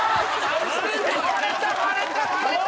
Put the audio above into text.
割れた割れた割れた！